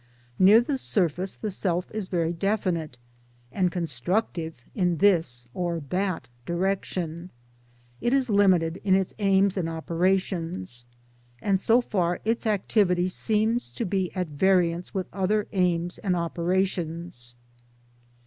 Near the surface the self is very definite and constructive in this or that direction ; it is limited in its aims and operations, and so far its activity seems to be at variance with o.ther aims and opera tions.